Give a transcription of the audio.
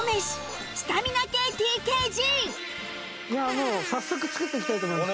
もう早速作っていきたいと思います。